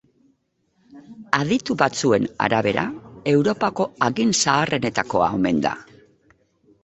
Aditu batzuen arabera Europako hagin zaharrenetakoa omen da.